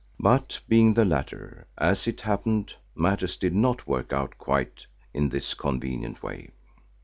But being the latter, as it happened, matters did not work out quite in this convenient way.